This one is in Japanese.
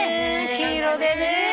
黄色でね。